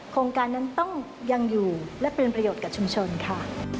โครงการนั้นต้องยังอยู่และเป็นประโยชน์กับชุมชนค่ะ